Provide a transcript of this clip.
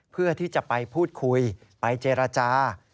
เพื่อที่จะไปพูดคุยไปเจรจา